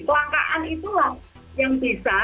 langkaan itulah yang bisa